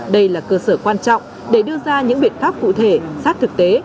đây là cơ sở quan trọng để đưa ra những biện pháp cụ thể sát thực tế